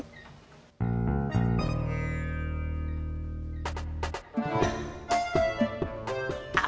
apa sih beh